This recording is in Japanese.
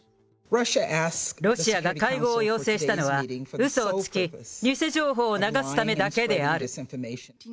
ロシアが会合を要請したのは、うそをつき、偽情報を流すためだけである。